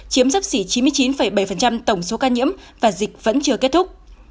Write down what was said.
chiếm sắp xỉ chín mươi chín bảy tổng số ca nhiễm và dịch vẫn chưa kết thúc